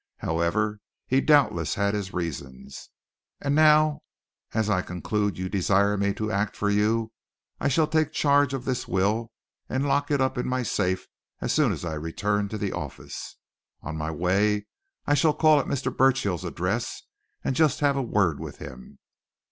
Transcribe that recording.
However, he doubtless had his reasons. And now, as I conclude you desire me to act for you, I shall take charge of this will and lock it up in my safe as soon as I return to the office. On my way, I shall call at Mr. Burchill's address and just have a word with him.